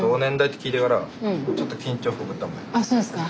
あっそうですか？